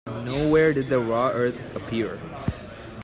Nowhere did the raw earth appear.